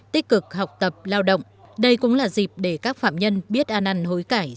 tích cực học tập lao động đây cũng là dịp để các phạm nhân biết an ăn hối cải